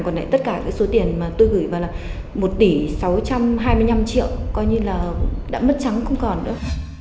còn lại tất cả cái số tiền mà tôi gửi vào là một tỷ sáu trăm hai mươi năm triệu coi như là đã mất trắng không còn nữa